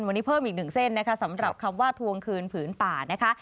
วันนี้เพิ่มอีกหนึ่งเส้นนะคะสำหรับคำว่าทวงคืนผืนป่านะคะ